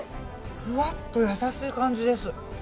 ふわっと優しい感じです。